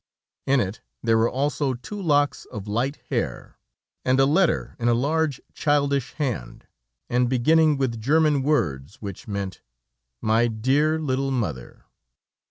In it there were also two locks of light hair and a letter in a large childish hand, and beginning with German words which meant: 'My dear little mother.'